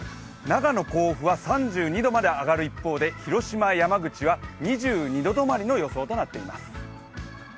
長野、甲府は３２度まで上がる一方で広島、山口は２２度止まりの予想となっています。